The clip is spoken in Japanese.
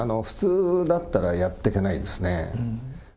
普通だったらやってけないですね。